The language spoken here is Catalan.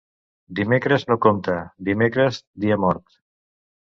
Dimecres no compta; dimecres, dia mort.